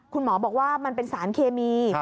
คุณหมอบอกว่ามันเป็นสารเคมี